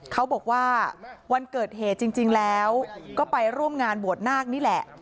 เขาบอกว่าวันเกิดเหตุจริงแล้วก็ไปร่วมงานบวชนาคนี่แหละ